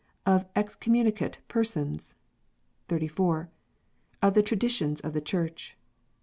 Of Excommunicate Persons. 34. Of the Traditions of the Church.